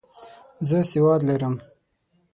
زه سواد لرم.